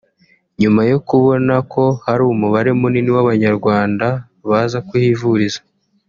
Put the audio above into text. nyuma yo kubona ko hari umubare munini w’abanyarwanda baza kuhivuriza